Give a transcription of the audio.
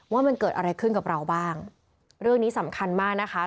ว่ามันเกิดอะไรขึ้นกับเราบ้างเรื่องนี้สำคัญมากนะคะ